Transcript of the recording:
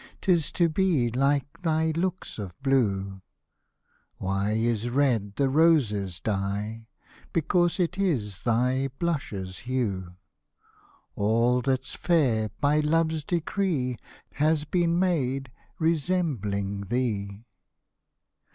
'Tis to be like thy looks of blue ; Why is red the rose's dye ? Because it is thy blushes' hue. All that's fair, by Love's decree, Has been made resembling thee.